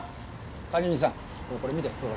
管理人さんこれ見てこれこれ。